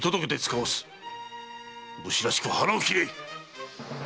武士らしく腹を切れ！